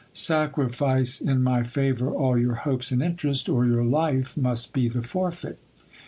Sacrifice in my favour all your hopes and interest, or your life must be the forfeit.